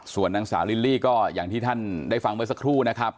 ส่วนนางสาวลิลลี่ก็อย่างที่ท่านได้ฟังเมื่อสักครู่นะครับ